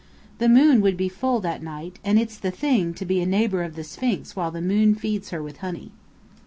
The moon would be full that night and it's "the thing" to be a neighbour of the Sphinx while the moon feeds her with honey.